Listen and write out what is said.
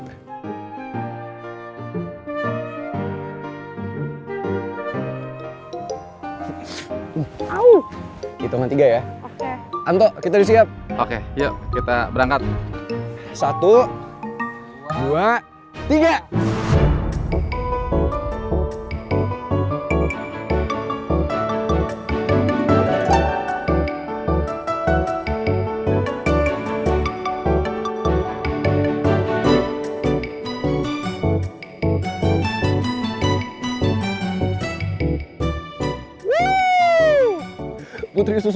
aku gak akan merasa takut